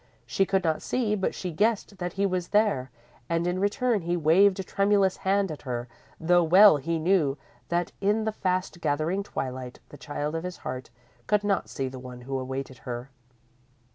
She could not see, but she guessed that he was there, and in return he waved a tremulous hand at her, though well he knew that in the fast gathering twilight, the child of his heart could not see the one who awaited her.